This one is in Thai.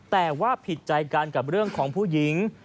แต่ว่าผิดใจกันกับเรื่องของผู้หญิง